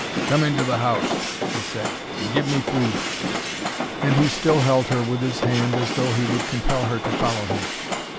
"Come into the house," he said, "and give me food." And he still held her with his hand as though he would compel her to follow him.